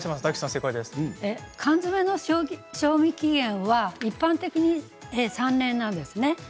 缶詰の賞味期限は一般的に３年なんです。